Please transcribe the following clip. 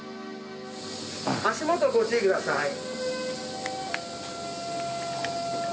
足元ご注意ください。